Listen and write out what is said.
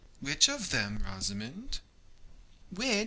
'Which of them, Rosamond?' 'Which?